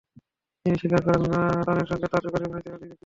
তিনি স্বীকার করেন, তানের সঙ্গে তাঁর যোগাযোগ হয়েছিল দুই ব্যক্তির মাধ্যমে।